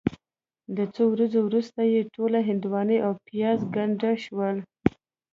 د څو ورځو وروسته یې ټولې هندواڼې او پیاز ګنده شول.